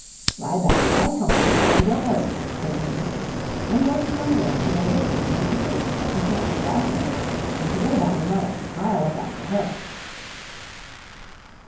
"Lie back quite comfortably, and don't worry," said Jane Hubbard. "I'm going to my room to get a book to read you to sleep. I shan't be five minutes. And forget about your mother. I'll look after her."